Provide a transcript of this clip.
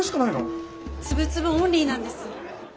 つぶつぶオンリーなんです。